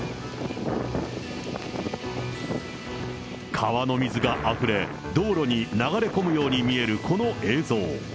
川の水があふれ、道路に流れ込むように見えるこの映像。